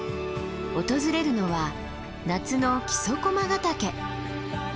訪れるのは夏の木曽駒ヶ岳。